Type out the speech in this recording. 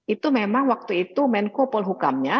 itu memang waktu itu menko polhukamnya